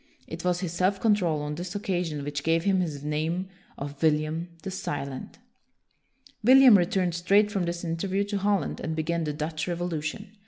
It was his self control on this occasion which gave him his name of William the Silent. William returned straight from this in terview to Holland and began the Dutch Revolution.